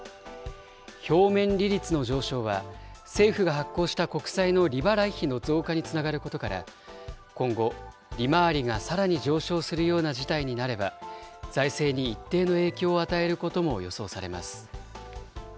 表面利率の上昇は、政府が発行した国債の利払い費の増加につながることから、今後、利回りがさらに上昇するような事態になれば、財政に一定の影響を与えることも予想されます。